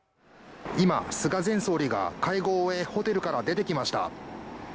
今、菅前総理が会合を終え、ホテルから出てきました。